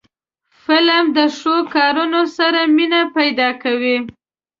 فلم له ښو کارونو سره مینه پیدا کوي